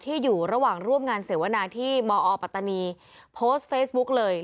อยู่ระหว่างร่วมงานเสวนาที่มอปัตตานีโพสต์เฟซบุ๊กเลย